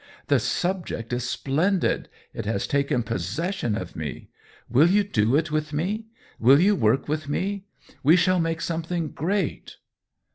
" The sub ject is splendid— it has taken possession of COLLABORATION 129 me. Will you do it with me ? Will you work with me ? We shall make something great